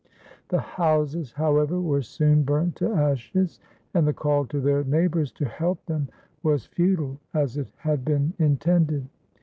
The houses, however, were soon burnt to ashes, and the call to their neighbours to help them was futile as it had been intended.